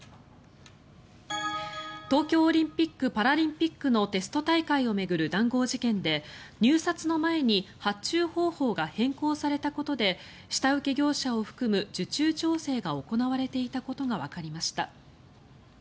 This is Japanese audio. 東京オリンピック・パラリンピックのテスト大会を巡る談合事件で入札の前に発注方法が変更されたことで下請け業者を含む受注調整が行われていたことがわかりました。